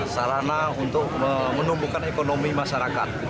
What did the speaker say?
sarana untuk menumbuhkan ekonomi masyarakat